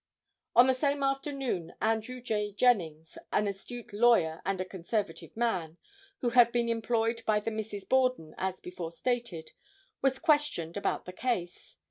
On the same afternoon Andrew J. Jennings, an astute lawyer and a conservative man, who had been employed by the Misses Borden, as before stated, was questioned about the case.